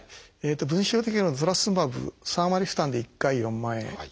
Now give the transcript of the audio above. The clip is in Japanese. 分子標的薬のトラスツズマブ３割負担で１回４万円。